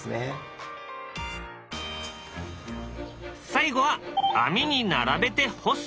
最後は網に並べて干す。